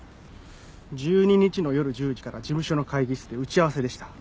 １２日の夜１０時から事務所の会議室で打ち合わせでした。